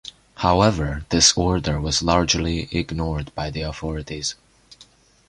However, this order was largely ignored by the authorities.